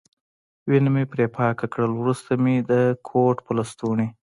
وینه مې پرې پاکه کړل، وروسته مې د کوټ په لستوڼي.